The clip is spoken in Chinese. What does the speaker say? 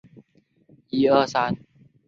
领航站设有两座岛式月台及四股轨道。